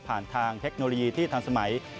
ผ่านทางเทคโนโลยีที่ทางสมัย